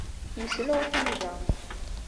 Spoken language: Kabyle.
Yesluɣ tamda.